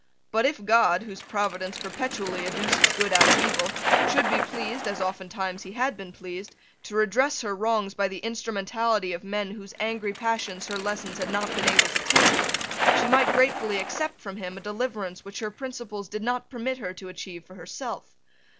But, if God, whose providence perpetually educes good out of evil, should be pleased, as oftentimes He bad been pleased, to redress her wrongs by the instrumentality of men whose angry passions her lessons had not been able to tame, she might gratefully accept from Him a deliverance which her principles did not permit her to achieve for herself.